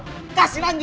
kasih lanjut sudah ini